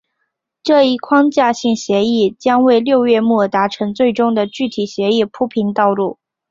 这一框架性协议将为六月末达成最终的具体协议铺平道路。